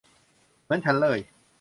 เหมือนฉันเลย !